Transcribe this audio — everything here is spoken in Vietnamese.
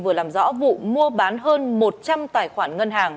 vừa làm rõ vụ mua bán hơn một trăm linh tài khoản ngân hàng